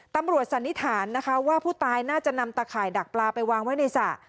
สันนิษฐานนะคะว่าผู้ตายน่าจะนำตะข่ายดักปลาไปวางไว้ในสระ